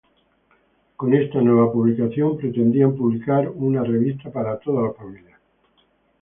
Con esta nueva publicación pretendían publicar una revista para toda la familia.